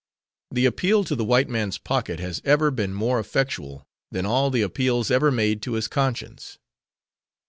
The appeal to the white man's pocket has ever been more effectual than all the appeals ever made to his conscience.